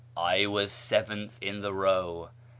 " I was seventh in the row.